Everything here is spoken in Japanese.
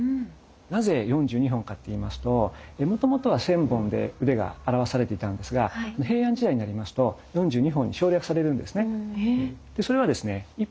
なぜ４２本かっていいますともともとは１，０００本で腕が表されていたんですが平安時代になりますと４２本に省略されるんですね。